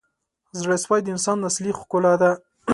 • زړه سوی د انسان اصلي ښکلا ده.